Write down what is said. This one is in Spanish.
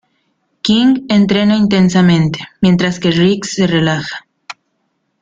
King entrena intensamente, mientras que Riggs se relaja.